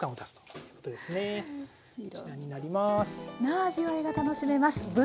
いろんな味わいが楽しめます。